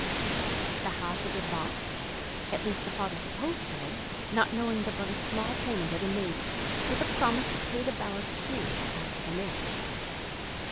The house had been bought—at least, the father supposed so—not knowing that but a small payment had been made, with a promise to pay the balance soon after the marriage.